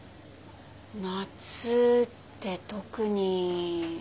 夏って特に。